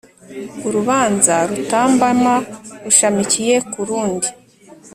Urubanza rutambama rushamikiye ku rundi